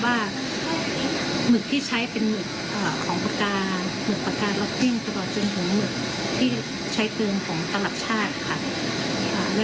พบว่าหมึกที่ใช้เป็นหมึกของปากกา